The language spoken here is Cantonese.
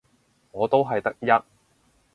我都係得一